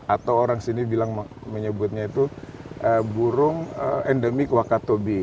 atau orang sini bilang menyebutnya itu burung endemik wakatobi